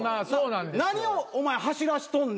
何をお前走らしとんねん。